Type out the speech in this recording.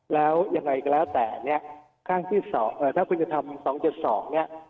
แล้วยังไงก็แล้วแต่เนี่ยข้างที่ถ้าคุณจะทำ๒๗๒เนี่ย